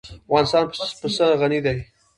افغانستان په پسه غني دی.